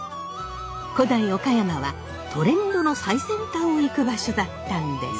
古代岡山はトレンドの最先端を行く場所だったんです。